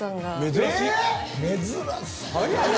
珍しい。